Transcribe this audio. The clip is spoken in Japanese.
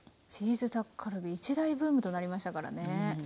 チーズタッカルビ一大ブームとなりましたからね。